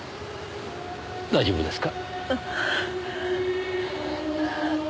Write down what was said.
大丈夫ですか？